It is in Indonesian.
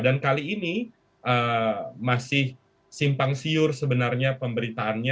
dan kali ini masih simpang siur sebenarnya pemberitaannya